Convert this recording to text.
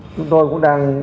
chúng tôi cũng đang